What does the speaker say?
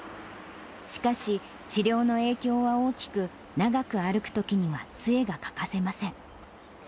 しかし、治療の影響は大きく、長く歩くときにはつえが欠かせません。